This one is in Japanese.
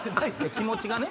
気持ちはね。